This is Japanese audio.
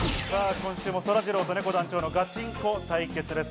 今週もそらジローとねこ団長のガチンコ対決です。